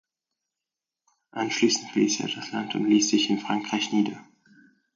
Anschließend verließ er das Land und ließ sich in Frankreich nieder.